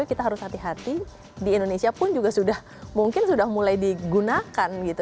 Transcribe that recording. kita harus hati hati di indonesia pun juga sudah mungkin sudah mulai digunakan gitu